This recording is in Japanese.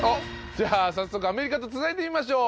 じゃあ早速アメリカと繋いでみましょう。